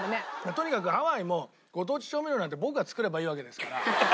とにかくハワイもご当地調味料なんて僕が作ればいいわけですから。